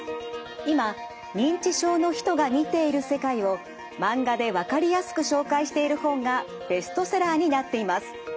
今認知症の人が見ている世界をマンガでわかりやすく紹介している本がベストセラーになっています。